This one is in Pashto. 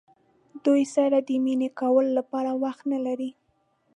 دوی سره د مینې کولو لپاره وخت نه لرئ.